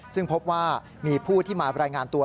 ซึ่งพบว่ามีผู้ที่มารายงานตัว